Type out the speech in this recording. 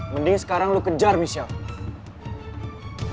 mending sekarang lo kejar michelle